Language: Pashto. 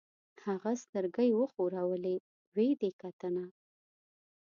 هغه سترګۍ وښورولې: وي دې کنه؟